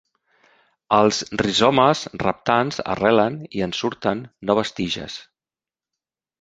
Els rizomes reptants arrelen i en surten noves tiges.